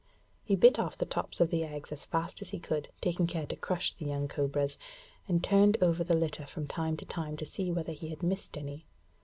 He bit off the tops of the eggs as fast as he could, taking care to crush the young cobras, and turned over the litter from time to time to see whether he had missed any.